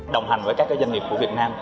đồng hành với các doanh nghiệp của việt nam